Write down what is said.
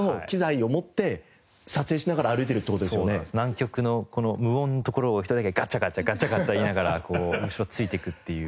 南極の無音の所を１人だけガチャガチャガチャガチャいいながら後ろついていくっていう。